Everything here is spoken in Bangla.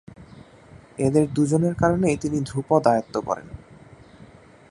এঁদের দুজনের কারণেই তিনি ধ্রুপদ আয়ত্ত করেন।